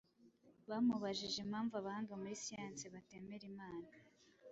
bamubajije impamvu abahanga muri siyansi batemera Imana,